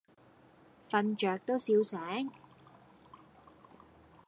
瞓著都笑醒